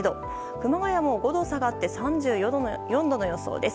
熊谷も５度下がって３５度の予想です。